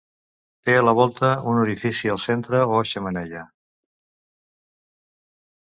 Té a la volta un orifici al centre o xemeneia.